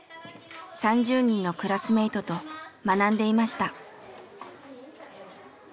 ３０人のクラスメートと学んでいました。